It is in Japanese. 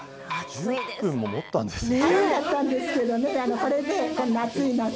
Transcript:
１０分ももったんですね。